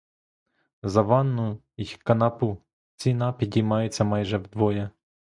За ванну й канапу ціна підіймається майже вдвоє.